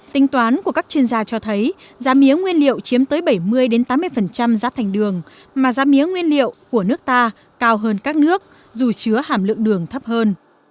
tính toán của các chuyên gia cho thấy giá mía nguyên liệu chiếm tới bảy mươi tám mươi giá thành đường mà giá mía nguyên liệu của nước ta cao hơn các nước dù chứa hàm lượng đường thấp hơn